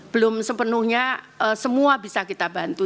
belum sepenuhnya semua bisa kita bantu